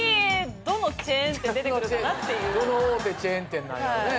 どの大手チェーン店なんやろね。